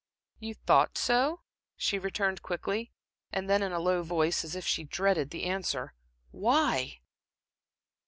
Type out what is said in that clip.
"You thought so?" she returned quickly, and then in a low voice, as if she dreaded the answer: "Why?"